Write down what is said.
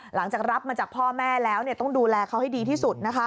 หลังจากรับมาจากพ่อแม่แล้วต้องดูแลเขาให้ดีที่สุดนะคะ